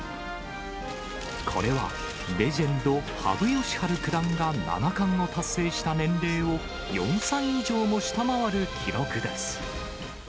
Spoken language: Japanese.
これはレジェンド、羽生善治九段が七冠を達成した年齢を４歳以上も下回る記録です。